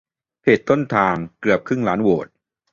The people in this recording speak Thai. เพจต้นทาง เกือบครึ่งล้านโหวต